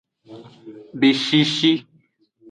Beshishi.